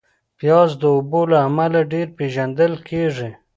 پیاز د بوی له امله ډېر پېژندل کېږي